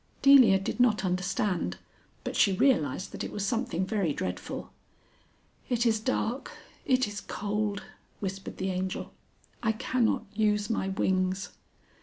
Delia did not understand, but she realised that it was something very dreadful. "It is dark, it is cold," whispered the Angel; "I cannot use my wings."